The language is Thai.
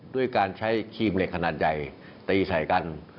ด้วยการใช้ครีมเหล็กขนาดใหญ่ตีใส่กัน